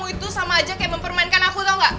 putusan kamu itu sama aja kayak mempermainkan aku tau gak